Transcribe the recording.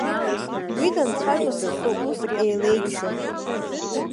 Уи данцәажәоз х-уск еилеигӡон.